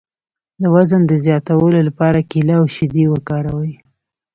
د وزن د زیاتولو لپاره کیله او شیدې وکاروئ